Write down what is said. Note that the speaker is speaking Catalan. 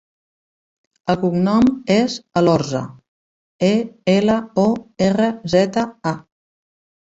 El cognom és Elorza: e, ela, o, erra, zeta, a.